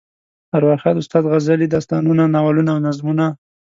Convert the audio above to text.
ارواښاد استاد غزلې، داستانونه، ناولونه او نظمونه.